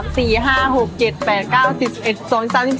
พี่ก็ตายแล้วใช่ไหมคะ